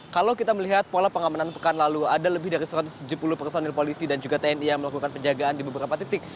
kalau kita melihat pola pengamanan pekan lalu ada lebih dari satu ratus tujuh puluh personil polisi dan juga tni yang melakukan penjagaan di beberapa titik